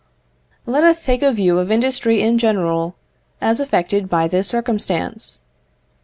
Let us take a view of industry in general, as affected by this circumstance.